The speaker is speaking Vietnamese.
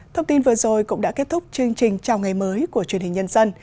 thông tin vừa rồi cũng đã kết thúc chương trình chào ngày mới của truyền hình nhân dân